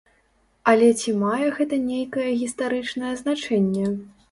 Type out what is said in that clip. Але ці мае гэта нейкае гістарычнае значэнне?